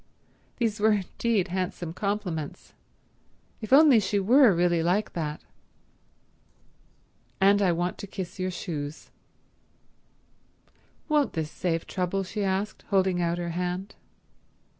These were indeed handsome compliments. If only she were really like that ... "And I want to kiss your shoes." "Won't this save trouble?" she asked, holding out her hand.